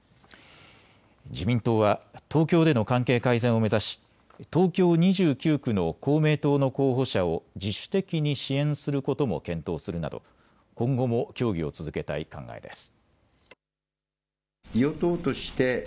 自民党は東京での関係改善を目指し東京２９区の公明党の候補者を自主的に支援することも検討するなど今後も協議を続けたい考えです。